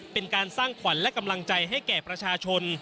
เป็นการสร้างขวัญและกำลังใจให้แก่ประชาชน